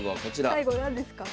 最後何ですか？